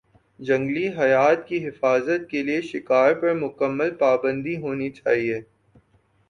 جنگلی حیات کی حفاظت کے لیے شکار پر مکمل پابندی ہونی چاہیے